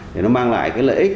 để nó mang lại lợi ích